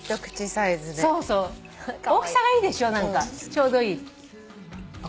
ちょうどいい。